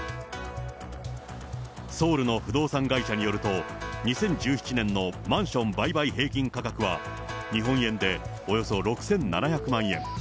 ソウルの不動産会社によると、２０１７年のマンション売買平均価格は、日本円でおよそ６７００万円。